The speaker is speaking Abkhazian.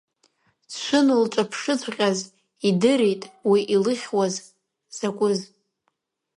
Дшыналҿаԥшыҵәҟьаз идырит уи илыхьуаз закәыз.